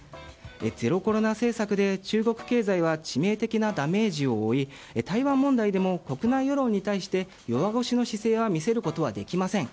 ゼロコロナ政策で中国経済は致命的なダメージを負い台湾問題でも国内世論に対して弱腰の姿勢は見せることはできません。